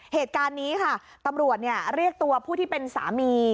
เหตุการณ์นี้ค่ะตำรวจเรียกตัวผู้ที่เป็นสามี